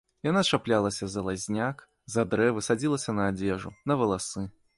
Яна чаплялася за лазняк, за дрэвы, садзілася на адзежу, на валасы.